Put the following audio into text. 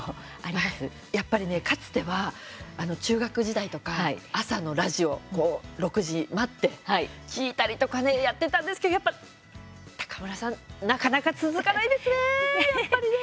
いや、やっぱりねかつては中学時代とか朝のラジオ６時待って聞いたりとかねやってたんですけどやっぱ高村さん、なかなか続かないですね、やっぱりね。